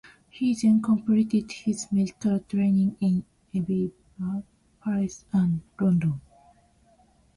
He then completed his medical training in Edinburgh, Paris and London.